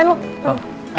gue mau ke rumah